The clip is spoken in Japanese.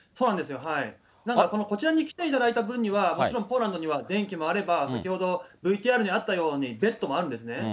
なので、こちらに来ていただいた分には、もちろんポーランドには電気もあれば、先ほどＶＴＲにあったようにベッドもあるんですね。